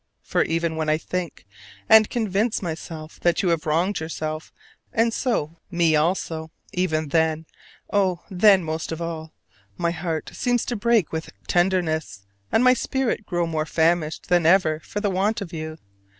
For even when I think, and convince myself that you have wronged yourself and so, me also, even then: oh, then most of all, my heart seems to break with tenderness, and my spirit grow more famished than ever for the want of you!